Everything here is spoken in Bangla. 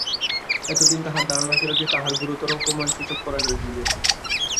এত দিন তাঁহার ধারণা ছিল যে তাঁহার ঘােরতর অপমানসুচক পরাজয় হইয়াছে।